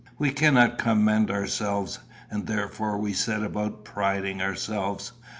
We cannot commend ourselves, and therefore we set about priding ourselves.